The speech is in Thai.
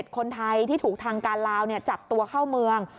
คนไทยที่ถูกทางการลาวจับตัวเข้าเมือง